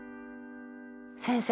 先生